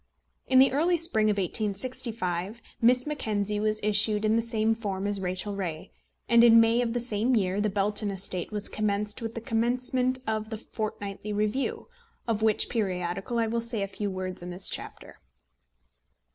In the early spring of 1865 Miss Mackenzie was issued in the same form as Rachel Ray; and in May of the same year The Belton Estate was commenced with the commencement of the Fortnightly Review, of which periodical I will say a few words in this chapter.